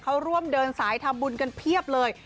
เขาร่วมเดินสายทำบุญกันเพียบเลย